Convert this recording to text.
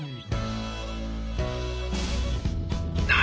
何？